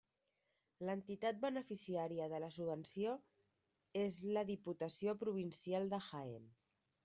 L'entitat beneficiària de la subvenció és la Diputació Provincial de Jaén.